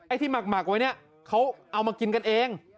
ที่หมักไว้เนี่ยเขาเอามากินกันเอง